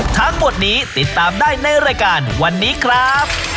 ทั้งหมดนี้ติดตามได้ในรายการวันนี้ครับ